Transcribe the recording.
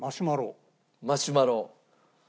マシュマロ。